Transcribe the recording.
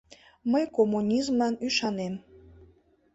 — Мый коммунизмлан ӱшанем!